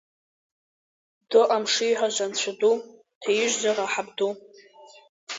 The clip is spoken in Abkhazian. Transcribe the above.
Дыҟам шиҳәоз Анцәа ду, дҭаижьзар аҳаԥ ду?